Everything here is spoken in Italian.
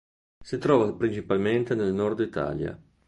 Si trova principalmente nel nord Italia.